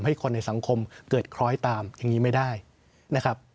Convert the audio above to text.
ให้คนในสังคมเกิดคล้อยตามอย่างนี้ไม่ได้นะครับ